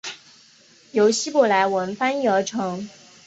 由希伯来文翻译而成。